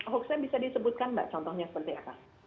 hoax yang bisa disebutkan mbak contohnya seperti apa